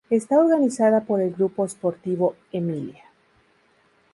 Está organizada por el Gruppo Sportivo Emilia.